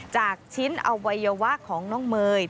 จากชิ้นอวัยวะของน้องเมย์